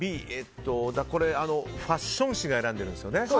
これ、ファッション誌が選んでるんですよね。